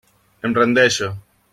Em rendeixo.